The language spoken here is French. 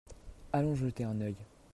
Allons jeter un œil.